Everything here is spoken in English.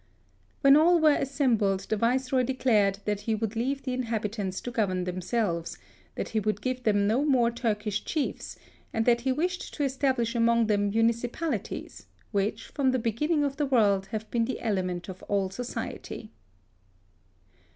When all were assembled, the Viceroy declared that he would leave the inhabitants to govern them selves ; that he would give them no more Turkish chiefs, and that he wished to estab lish among them municipalities, which, from 40 HISTORY OF the beginning of the world, have been the element of all society.